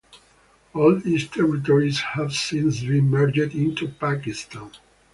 All these territories have since been merged into Pakistan.